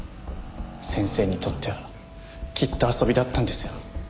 先生にとってはきっと遊びだったんですよね？